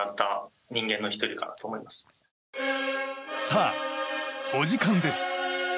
さあ、お時間です。